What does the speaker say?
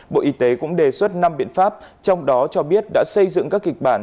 bộ y tế cũng đề xuất năm biện pháp trong đó cho biết đã xây dựng các kịch bản